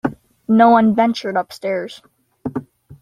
No one ventured upstairs.